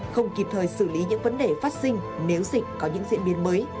không kịp thời xử lý những vấn đề phát sinh nếu dịch có những diễn biến mới